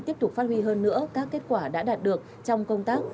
tiếp tục phát huy hơn nữa các kết quả đã đạt được trong công tác